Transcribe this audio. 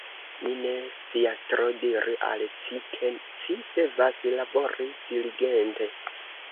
Mi ne scias tro diri al ci, ke ci devas labori diligente.